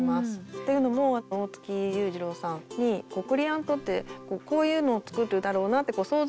というのも大月雄二郎さんにクリヤーントってこういうのを作るだろうなって想像するじゃないですか。